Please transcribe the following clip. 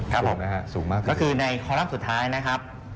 ครับผมก็คือในคอลัมป์สุดท้ายนะครับ